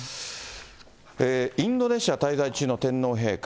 インドネシア滞在中の天皇陛下。